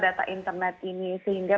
ada di data internet ini sehingga